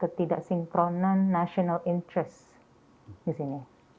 ketidaksinkronan keuntungan nasional di sini